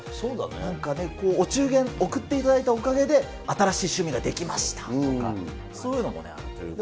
なんかお中元贈っていただいたおかげで、新しい趣味ができましたとか、そういうのもあるということで。